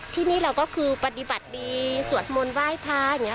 ที่นี่เราก็คือปฏิบัติดีสวดมนต์ไหว้พระอย่างนี้